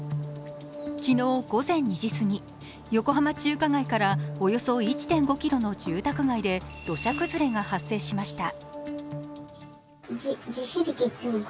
昨日午前２時過ぎ、横浜中華街からおよそ１．５ｋｍの住宅街で土砂崩れが発生しました。